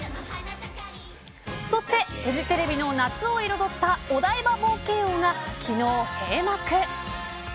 そして、フジテレビの夏を彩ったお台場冒険王が昨日閉幕。